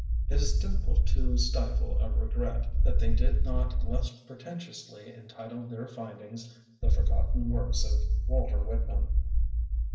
It is difficult to stifle a regret 75 that they did not less pretentiously en title their findings: "The Forgotten Works of Walter Whitman."